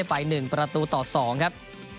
ไป๑ประตูต่อ๒ครับ